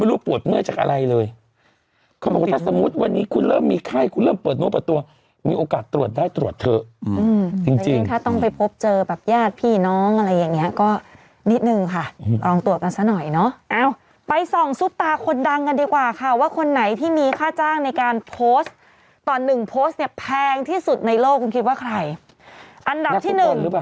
รองสารวัฒน์เวรสอบสวนสภศรีราชาจชมบุรี